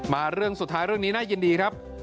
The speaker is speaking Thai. เรื่องสุดท้ายเรื่องนี้น่ายินดีครับ